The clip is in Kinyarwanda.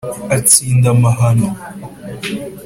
Atsinda amahano